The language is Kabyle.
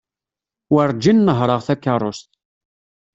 Werǧin nehreɣ takerrust.